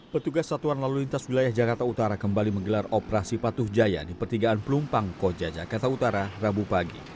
petugas satuan lalu lintas wilayah jakarta utara kembali menggelar operasi patuh jaya di pertigaan pelumpang koja jakarta utara rabu pagi